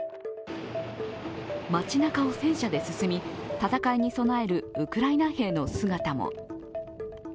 街なかを戦車で進み戦いに備えるウクライナ兵の姿も。